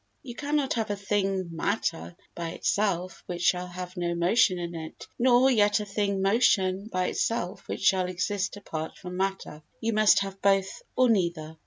You cannot have a thing "matter" by itself which shall have no motion in it, nor yet a thing "motion" by itself which shall exist apart from matter; you must have both or neither.